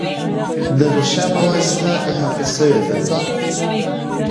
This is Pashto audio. د غشا په واسطه احاطه شوی دی.